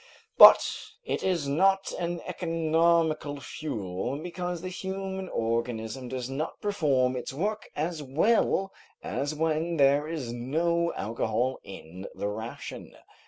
But it is not an economical fuel because the human organism does not perform its work as well as when there is no alcohol in the ration.